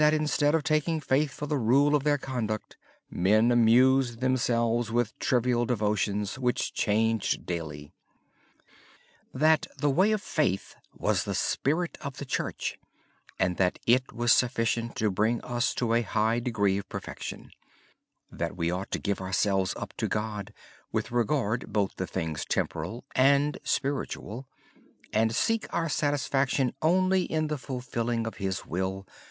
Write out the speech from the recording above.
Instead of taking faith for the rule of their conduct, men amused themselves with trivial devotions which changed daily. He said that faith was sufficient to bring us to a high degree of perfection. We ought to give ourselves up to God with regard both to things temporal and spiritual and seek our satisfaction only in the fulfilling of His will.